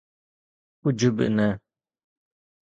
ڪجھ به نه.